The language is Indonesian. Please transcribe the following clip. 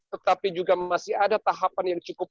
tetapi juga masih ada tahapan yang cukup